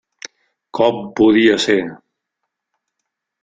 Com podia ser?